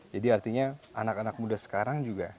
jadi artinya anak anak muda sekarang juga